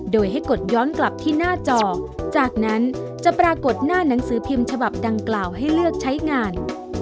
โดยให้กดย้อนกลับที่หน้าจอจากนั้นจะปรากฏหน้าหนังสือพิมพ์ฉบับดังกล่าวให้เลือกใช้งาน